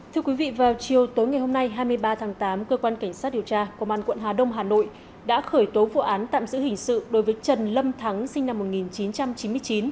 thưa quý vị vào chiều tối ngày hôm nay hai mươi ba tháng tám cơ quan cảnh sát điều tra công an quận hà đông hà nội đã khởi tố vụ án tạm giữ hình sự đối với trần lâm thắng sinh năm một nghìn chín trăm chín mươi chín